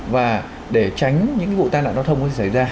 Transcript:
và để tránh những vụ tai nạn giao thông có xảy ra